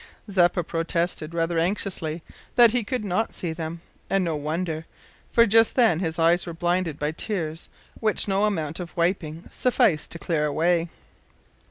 Zeppa protested, rather anxiously, that he could not see them, and no wonder, for just then his eyes were blinded by tears which no amount of wiping sufficed to clear away.